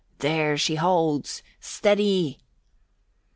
There she holds! Steady!"